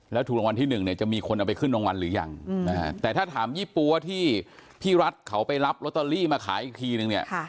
แล้วถูกรางวัลที่๑เนี่ยจะมีคนเอาไปขึ้นรางวัลหรือยังแต่ถ้าถามยี่ปั๊วที่พี่รัฐเขาไปรับลอตเตอรี่มาขายอีกทีนึงเนี่ย